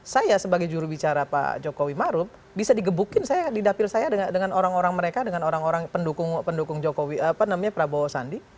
saya sebagai jurubicara pak jokowi marup bisa digebukin di dapil saya dengan orang orang mereka dengan pendukung jokowi namanya prabowo sandi